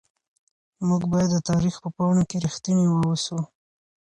موږ باید د تاریخ په وړاندې رښتیني واوسو.